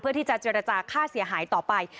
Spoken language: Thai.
เพื่อที่จะเจรจาค่าเสียหายต่อไป